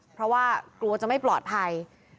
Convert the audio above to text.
เพราะว่ากลัวจะไม่ปลอดภัย